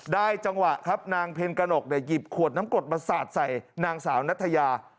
จังหวะครับนางเพ็ญกระหนกหยิบขวดน้ำกรดมาสาดใส่นางสาวนัทยา